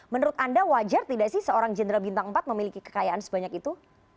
menurut anda wajar tidak sih seorang jenderal bintang empat memiliki kekayaan sebanyak itu